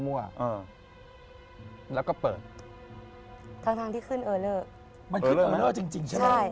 มันขึ้นเออเรอร์จริงใช่ไหม